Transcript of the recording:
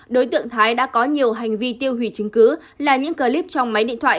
đối tượng thái đã có nhiều hành vi tiêu hủy chứng cứ là những clip trong máy điện thoại